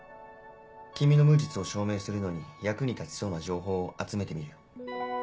君の無実を証明するのに役に立ちそうな情報を集めてみるよ。